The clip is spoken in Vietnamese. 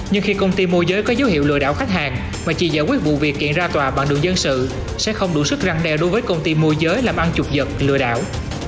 nhưng khi công ty môi giới có dấu hiệu lừa đảo khách hàng mà chỉ giải quyết vụ việc kiện ra tòa bằng đường dân sự sẽ không đủ sức răng đe đối với công ty môi giới làm ăn trục dật lừa đảo